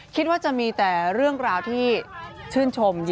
คิดว่าจะมีแต่เรื่องราวที่ชื่นชม